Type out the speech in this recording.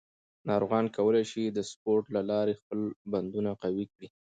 ناروغان کولی شي د سپورت له لارې خپل بندونه قوي کړي.